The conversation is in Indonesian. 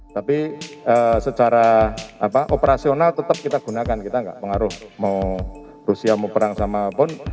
tapi secara operasional tetap kita gunakan kita nggak pengaruh mau rusia mau perang sama pun